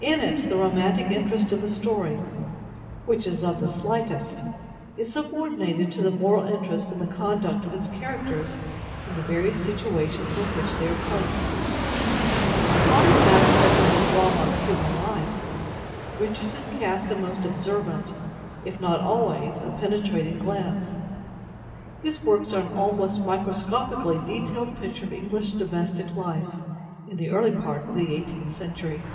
In it the romantic interest of the story (which is of the slightest) is subordinated to the moral interest in the conduct of its characters in the various situations in which they are placed. Upon this aspect of the "drama of human life" Richardson cast a most observant, if not always a penetrating glance. His works are an almost microscopically detailed picture of English domestic life in the early part of the eighteenth century.